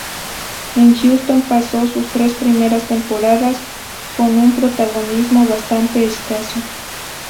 En Houston pasó sus tres primeras temporadas con un protagonismo bastante escaso.